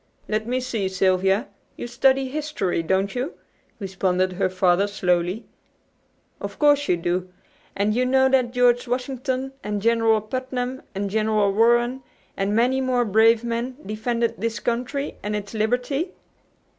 "Let me see, Sylvia. You study history, don't you?" responded her father slowly. "Of course you do; and you know that George Washington and General Putnam and General Warren, and many more brave men, defended this country and its liberty?"